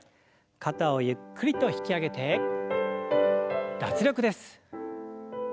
肩をゆっくりと引き上げて脱力です。